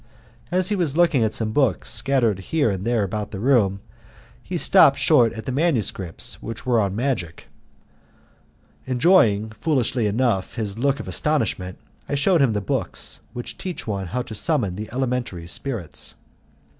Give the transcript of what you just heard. As he was looking at some books scattered here and there about the room, he stopped short at the manuscripts which were on magic. Enjoying foolishly enough, his look of astonishment, I shewed him the books which teach one how to summon the elementary spirits.